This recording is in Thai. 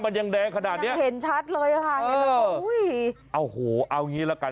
มันยังแดงขนาดนี้ยังเห็นชัดเลยค่ะเออโอ้โหเอาอย่างงี้แล้วกัน